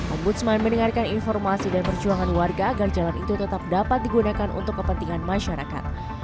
ombudsman mendengarkan informasi dan perjuangan warga agar jalan itu tetap dapat digunakan untuk kepentingan masyarakat